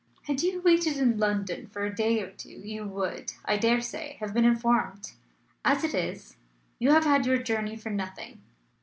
"Had you waited in London for a day or two you would, I dare say, have been informed. As it is, you have had your journey for nothing."